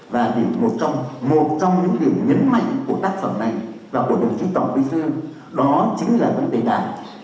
và một trong một trong những điểm nhấn mạnh của tác phẩm này và của đồng chí tổng bí thư đó chính là vấn đề đảng